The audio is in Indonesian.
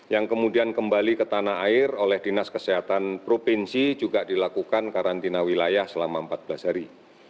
yang kemudian kembali ke tanah air oleh dinas kesehatan provinsi juga dilakukan karantina wilayah selama empat belas hari